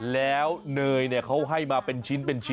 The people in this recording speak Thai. แล้วเนยเนี่ยเขาให้มาเป็นชิ้น